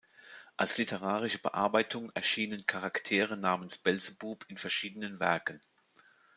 Als literarische Bearbeitung erschienen Charaktere namens Beelzebub in verschiedenen Werken.